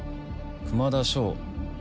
熊田翔。